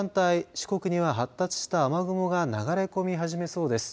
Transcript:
四国には発達した雨雲が流れ込み始めそうです。